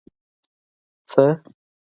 څه